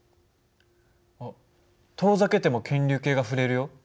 あっ遠ざけても検流計が振れるよ。